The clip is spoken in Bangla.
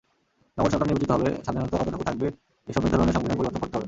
নগর সরকার নির্বাচিত হবে, স্বাধীনতা কতটুকু থাকবে—এসব নির্ধারণে সংবিধান পরিবর্তন করতে হবে।